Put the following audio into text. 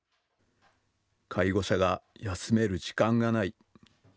介護者が休める時間がない。